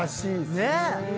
ねえ！